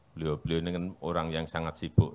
beliau beliau ini kan orang yang sangat sibuk